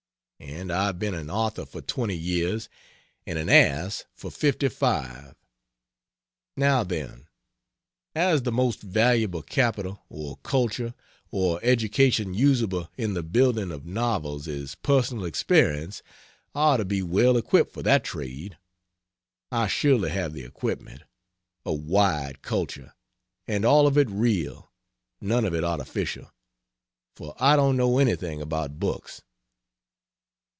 And I have been an author for 20 years and an ass for 55. Now then; as the most valuable capital or culture or education usable in the building of novels is personal experience I ought to be well equipped for that trade. I surely have the equipment, a wide culture, and all of it real, none of it artificial, for I don't know anything about books.